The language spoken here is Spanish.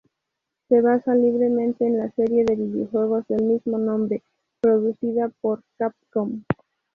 Se basa libremente en la serie de videojuegos del mismo nombre, producida por Capcom.